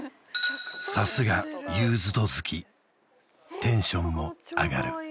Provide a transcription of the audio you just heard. さすがユーズド好きテンションも上がる